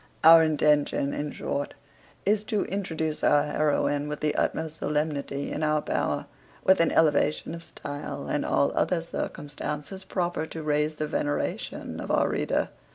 Our intention, in short, is to introduce our heroine with the utmost solemnity in our power, with an elevation of stile, and all other circumstances proper to raise the veneration of our reader.